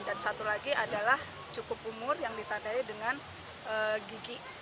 dan satu lagi adalah cukup umur yang ditandai dengan gigi